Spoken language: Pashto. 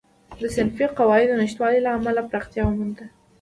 د صنفي قواعدو نشتوالي له امله پراختیا ومونده.